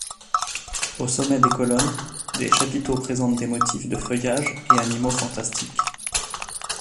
Au sommet des colonnes des chapiteaux présentent des motifs de feuillages et animaux fantastiques.